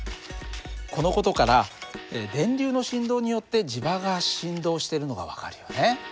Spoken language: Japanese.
この事から電流の振動によって磁場が振動してるのが分かるよね。